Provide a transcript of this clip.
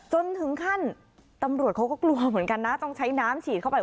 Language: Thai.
จนถึงขั้นตำรวจเขาก็กลัวเหมือนกันนะต้องใช้น้ำฉีดเข้าไป